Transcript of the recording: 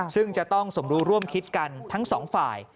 ซึ่งจะต้องสมรู้ร่วมคิดกันทั้งสองฝ่าย